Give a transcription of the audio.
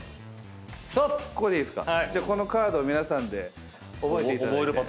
このカードを皆さんで覚えていただいて。